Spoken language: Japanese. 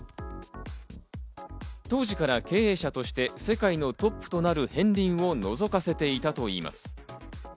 当時から経営者として世界のトップとなる片りんをのぞかせていたといいます。